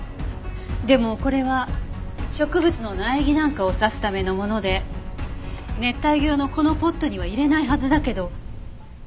でもこれは植物の苗木なんかを挿すためのもので熱帯魚用のこのポットには入れないはずだけど。